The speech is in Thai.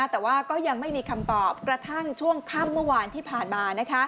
แต่ว่าก็ยังไม่มีคำตอบกระทั่งช่วงค่ำเมื่อวานที่ผ่านมา